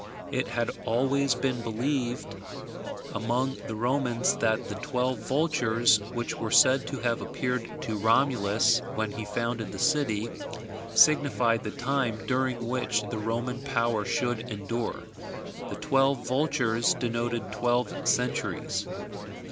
It had always been believed among the Romans that the twelve vultures which were said to have appeared to Romulus when he founded the city, signified the time during which the Roman power should endure. The twelve vultures denoted twelve centuries.